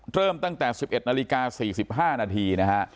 เริ่มตั้งแต่๑๑นาฬิกา๔๕นาทีนะฮะ